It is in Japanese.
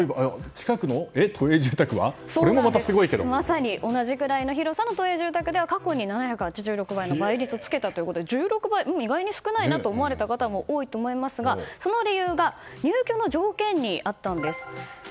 近くの都営住宅は同じぐらいの広さの都営住宅では過去に７８６倍の倍率をつけたということで１６倍は意外に少ないと思われた方も多いと思いますがその理由が入居の条件にあったんです。